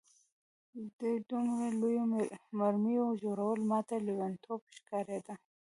د دومره لویو مرمیو جوړول ماته لېونتوب ښکارېده